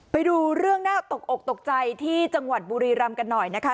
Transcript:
ไปดูเรื่องน่าตกอกตกใจที่จังหวัดบุรีรำกันหน่อยนะคะ